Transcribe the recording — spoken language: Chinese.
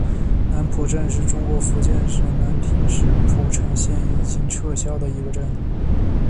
南浦镇是中国福建省南平市浦城县已经撤销的一个镇。